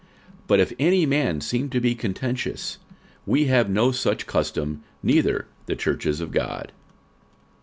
46:011:016 But if any man seem to be contentious, we have no such custom, neither the churches of God.